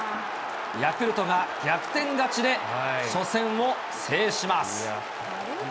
ヤクルトが逆転勝ちで、初戦を制します。